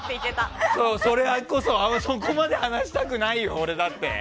そこまで話したくないよ、俺だって。